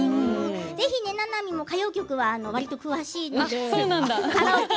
ぜひ、ななみも歌謡曲はわりと詳しいので。